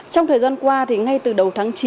trong thời gian qua ngay từ đầu tháng chín